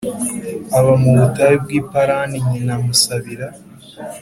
Aba mu butayu bw i Parani nyina amusabira